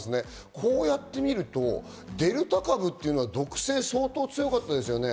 こうやってみるとデルタ株というのは毒性が相当強かったですよね。